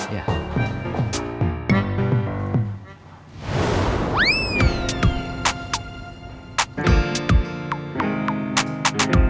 paku sini mas